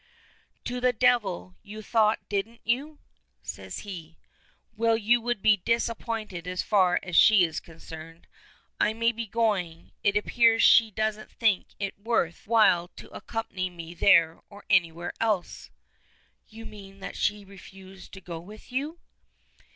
"To the devil, you thought, didn't you?" says he. "Well, you will be disappointed as far as she is concerned. I maybe going. It appears she doesn't think it worth while to accompany me there or anywhere else." "You mean that she refused to go with you?"